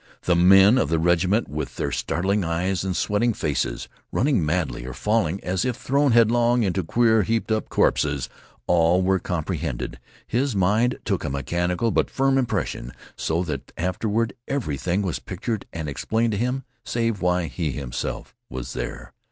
And the men of the regiment, with their starting eyes and sweating faces, running madly, or falling, as if thrown headlong, to queer, heaped up corpses all were comprehended. His mind took a mechanical but firm impression, so that afterward everything was pictured and explained to him, save why he himself was there.